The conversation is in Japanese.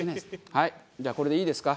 はいじゃあこれでいいですか？